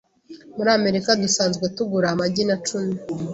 Muri Amerika, dusanzwe tugura amagi na cumi .